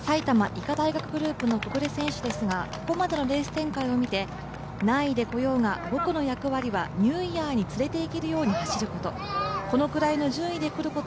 埼玉医科大学グループの木榑選手ですが、ここまでのレース展開を見て、何位でこようが僕の役割はニューイヤーに連れていけるように走ること。